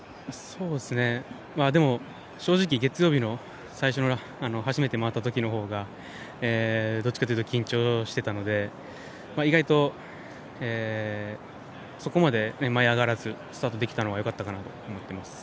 でも正直月曜日の最初の初めて回ったときの方がどっちかというと緊張してたので意外とそこまで舞い上がらずスタートできたのは良かったかなと思います。